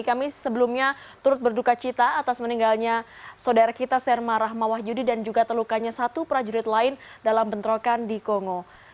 kami sebelumnya turut berduka cita atas meninggalnya saudara kita serma rahmawa yudi dan juga telukannya satu prajurit lain dalam bentrokan di kongo